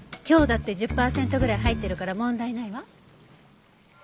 凶だって１０パーセントぐらい入ってるから問題ないわ。